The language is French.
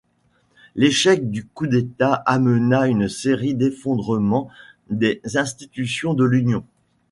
L'échec du coup d'État amena une série d'effondrements des institutions de l'Union.